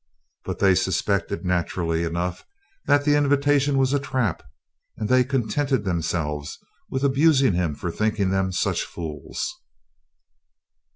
But they suspected, naturally enough, that the invitation was a trap, and they contented themselves with abusing him for thinking them such fools.